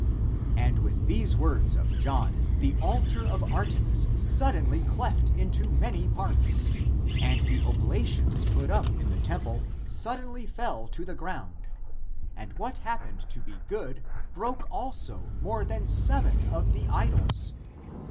And with these words of John the altar of Artemis suddenly cleft into many parts, and the ob lations put up in the temple suddenly fell to the ground, and what happened to be good (?) broke, also more than seven of the idols.